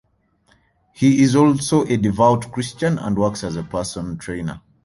He is also a devout Christian and works as a personal trainer.